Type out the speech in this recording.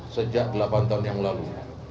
sejak delapan tahun yang lalu